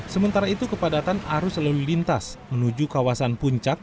sementara itu kepadatan arus lalu lintas menuju kawasan puncak